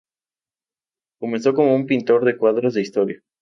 Comenzó como un pintor de cuadros de historia.